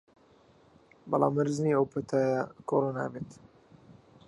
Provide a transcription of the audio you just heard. بەڵام مەرج نییە ئەو پەتایە کۆرۆنا بێت